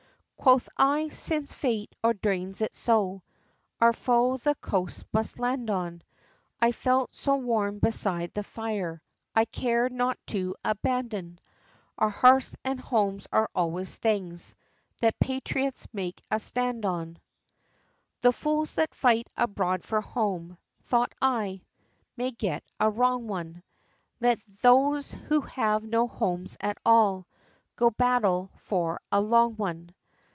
XI. Quoth I, "Since Fate ordains it so, Our foe the coast must land on"; I felt so warm beside the fire I cared not to abandon; Our hearths and homes are always things That patriots make a stand on. XII. "The fools that fight abroad for home," Thought I, "may get a wrong one; Let those who have no homes at all Go battle for a long one."